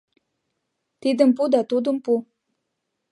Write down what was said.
Тидым пу да тудым пу.